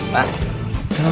pak ke sini